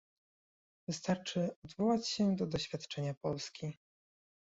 Wystarczy odwołać się do doświadczenia Polski